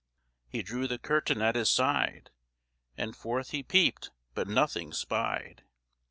He drew the curtain at his side, And forth he peep'd, but nothing spied.